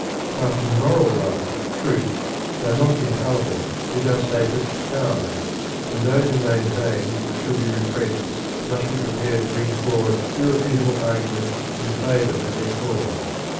But in moral life Truth, though not infallible, is our safest guide, and those who maintain that it should be repressed must be prepared to bring forward irrefutable arguments in favour of their cause.